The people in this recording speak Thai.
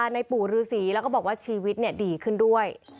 ในปู่ฤษีแล้วก็บอกว่าชีวิตดีขึ้นด้วย